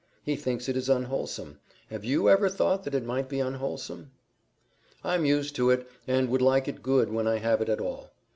He thinks it is unwholesome. Have YOU ever thought that it might be unwholesome?" "I'm used to it, and would like it good when I have it at all."